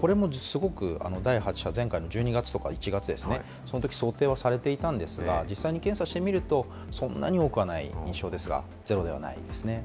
これも第８波、前回１２月、１月、想定されていたんですが、実際検査してみると、そんなには多くはない印象ですが、ゼロではないですね。